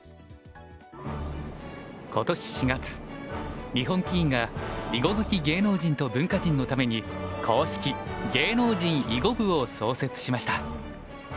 今年４月日本棋院が囲碁好き芸能人と文化人のために公式芸能人囲碁部を創設しました。